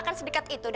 bener enggak apa apa